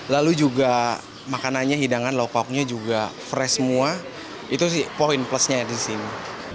lalu juga makanannya hidangan lauknya juga fresh semua itu sih poin plusnya di sini